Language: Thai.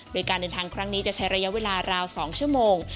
โดยการเดินทางครั้งนี้จะใช้ระยะเวลาราว๒ชั่วโมง